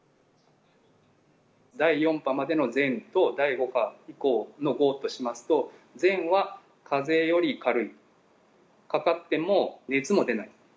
第４波までの前と、第５波以降の後としますと、前はかぜより軽い、かかっても熱も出ない。